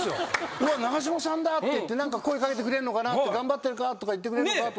うわ長嶋さんだって言って何か声掛けてくれるのかなって頑張ってるかとか言ってくれるのかなって。